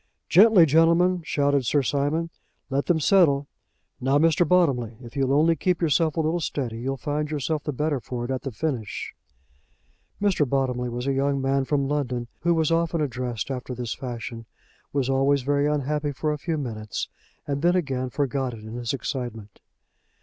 "Gently, gentlemen," shouted Sir Simon, "let them settle. Now, Mr. Bottomley, if you'll only keep yourself a little steady, you'll find yourself the better for it at the finish." Mr. Bottomley was a young man from London, who was often addressed after this fashion, was always very unhappy for a few minutes, and then again forgot it in his excitement.